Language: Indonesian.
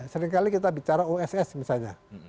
seringkali kita bicara oss misalnya